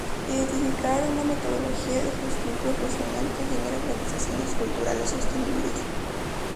Identificar una metodología de gestión profesional que genera organizaciones culturales sostenibles.